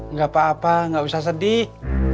nggak apa apa nggak usah sedih